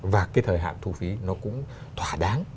và cái thời hạn thu phí nó cũng thỏa đáng